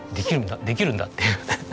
できるんだって。